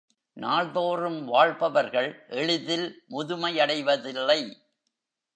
நாள்தோறும் வாழ்பவர்கள் எளிதில் முதுமையடைவதில்லை.